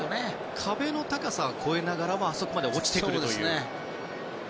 壁の高さは越えながらもあそこまで落ちてくるという。